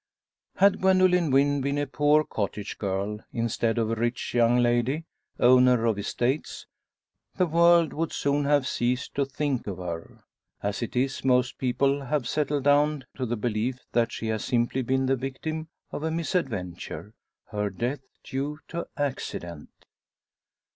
Had Gwendoline Wynn been a poor cottage girl, instead of a rich young lady owner of estates the world would soon have ceased to think of her. As it is most people have settled down to the belief that she has simply been the victim of a misadventure, her death due to accident.